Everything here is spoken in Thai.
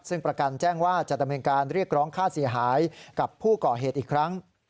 ซึ่งประกันแจ้งว่าจะดำเนินการเรียกร้องค่าเสียหายกับผู้ก่อเหตุอีกครั้ง